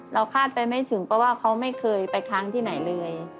คาดไปไม่ถึงเพราะว่าเขาไม่เคยไปค้างที่ไหนเลย